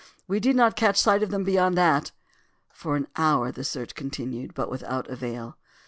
We did not catch sight of them beyond that!" For an hour the search continued, but without avail.